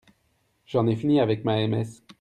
J'en ai fini avec ma M.S.